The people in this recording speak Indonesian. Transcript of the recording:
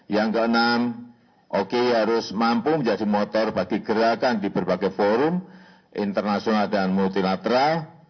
yang keenam oki harus mampu menjadi motor bagi gerakan di berbagai forum internasional dan multilateral